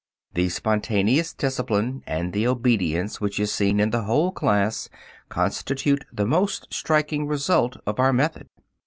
The spontaneous discipline, and the obedience which is seen in the whole class, constitute the most striking result of our method.